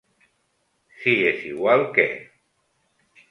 Si és igual que.